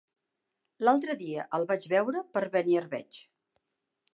L'altre dia el vaig veure per Beniarbeig.